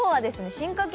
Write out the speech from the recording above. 進化系